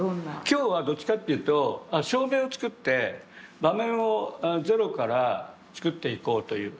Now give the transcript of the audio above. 今日はどっちかというと照明を作って場面をゼロから作っていこうという。